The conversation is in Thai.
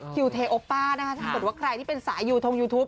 เทโอป้านะคะถ้าเกิดว่าใครที่เป็นสายยูทงยูทูป